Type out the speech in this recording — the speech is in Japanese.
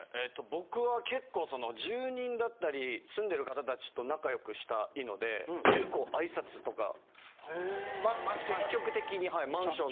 僕は結構その住人だったり住んでる方たちと仲良くしたいので結構挨拶とか。マンション？